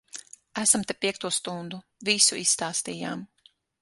Esam te piekto stundu. Visu izstāstījām.